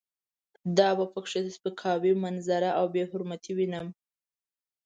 دا په کې د سپکاوي منظره او بې حرمتي وینم.